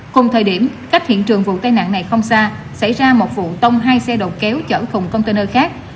cùng thời điểm cách hiện trường vụ tai nạn này không xa xảy ra một vụ tông hai xe đầu kéo chở cùng container khác